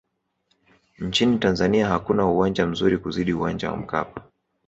nchini tanzania hakuna uwanja mzuri kuzidi uwanja wa mkapa